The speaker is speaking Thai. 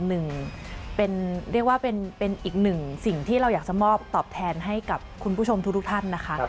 เรียกว่าเป็นอีกหนึ่งสิ่งที่เราอยากจะมอบตอบแทนให้กับคุณผู้ชมทุกท่านนะคะ